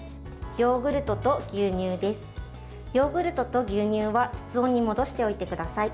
ヨーグルトと牛乳は室温に戻しておいてください。